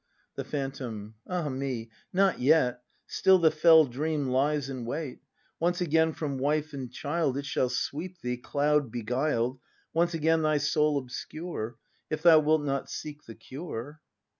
The Phantom. Ah me, not yet; Still the fell dream lies in wait. Once again from wife and child It shall sweep thee, cloud beguiled, Once again thv soul obscure, — If thou wilt not seek the cure.